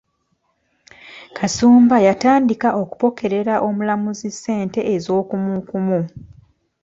Kasumba yatandika okupokerera omulamuzi ssente ez'okumukumu.